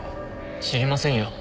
知りませんよ。